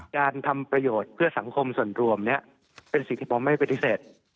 การทำประโยชน์เพื่อสังคมส่วนรวมเนี่ยเป็นสิ่งที่ผมไม่ปฏิเสธ